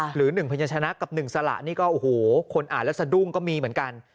หรือ๑พญชนะกับ๑สละนี่ก็โอ้โหคนอ่านแล้วสะดุ้งก็มีเหมือนกัน